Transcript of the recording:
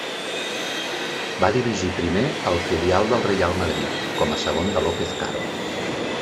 Va dirigir primer al filial del Reial Madrid, com a segon de López Caro.